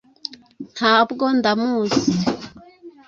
ntabwo ndamuzi